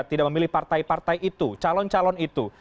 tidak memilih partai partai itu calon calon itu